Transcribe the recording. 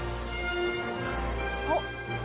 あっ！